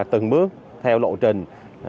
từng bước theo lộ trình